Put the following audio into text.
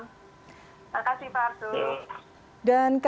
makasih pak arsul